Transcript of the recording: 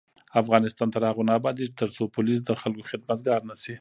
افغانستان تر هغو نه ابادیږي، ترڅو پولیس د خلکو خدمتګار نشي.